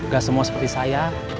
gak semua seperti saya